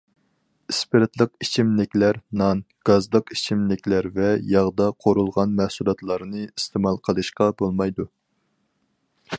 ئىسپىرتلىق ئىچىملىكلەر، نان، گازلىق ئىچىملىكلەر ۋە ياغدا قورۇلغان مەھسۇلاتلارنى ئىستېمال قىلىشقا بولمايدۇ.